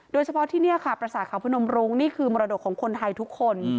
โดยเฉพาะที่นี่ค่ะประสาทเขาพนมรุ้งนี่คือมรดกของคนไทยทุกคน